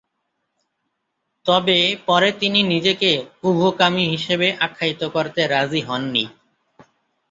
তবে পরে তিনি নিজেকে উভকামী হিসাবে আখ্যায়িত করতে রাজি হননি।